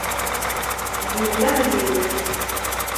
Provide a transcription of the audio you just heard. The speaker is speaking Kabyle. Zemleɣ yiwet.